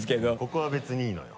ここは別にいいのよ。